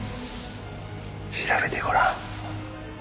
調べてごらん。